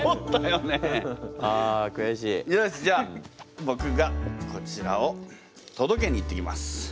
よしじゃあぼくがこちらをとどけに行ってきます。